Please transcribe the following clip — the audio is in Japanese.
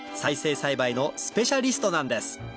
栽培のスペシャリストなんです